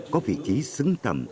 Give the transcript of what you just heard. có vị trí xứng tầm